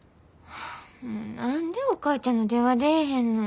何でお母ちゃんの電話出えへんの。